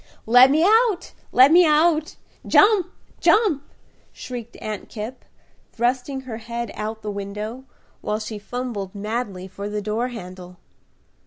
"Let me out! Let me out! Jump! Jump!" shrieked Aunt Kipp, thrusting her head out of the window, while she fumbled madly for the door handle.